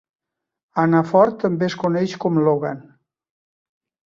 Hanaford també es coneix com Logan.